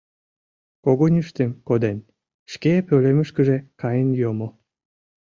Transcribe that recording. Когыньыштым коден, шке пӧлемышкыже каен йомо.